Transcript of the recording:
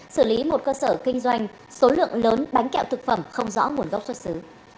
xử lý một cơ sở kinh doanh số lượng lớn bánh kẹo thực phẩm không rõ nguồn gốc xuất xứ